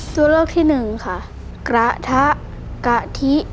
ตัวเลือกที่หนึ่งค่ะกระทะกะทิ